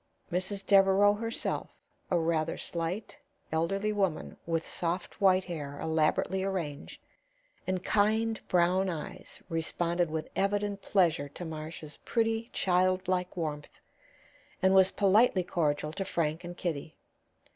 Mrs. Devereaux herself, a rather slight, elderly woman with soft white hair elaborately arranged, and kind, brown eyes, responded with evident pleasure to Marcia's pretty, childlike warmth, and was politely cordial to Frank and Kitty.